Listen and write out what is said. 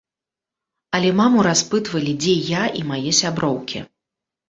Але маму распытвалі, дзе я і мае сяброўкі.